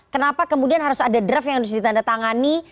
kenapa kemudian harus ada draft yang harus ditandatangani